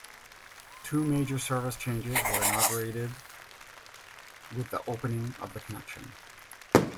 Two major service changes were inaugurated with the opening of the connection.